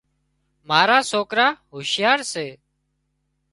مارا سوڪرا هوشيار سي